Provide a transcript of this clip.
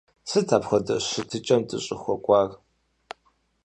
Сыт апхуэдэ щытыкӀэм дыщӀыхуэкӀуар?